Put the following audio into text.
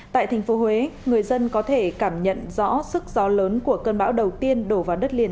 tại thành phố huế người dân có thể cảm nhận rõ sức gió lớn của cơn bão đầu tiên đổ vào đất liền